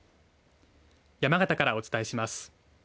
山形からお伝えします。